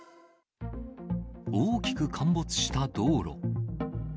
大きく陥没した道路。